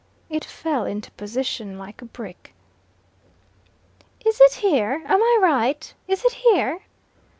It fell into position like a brick. "Is it here? Am I right? Is it here?"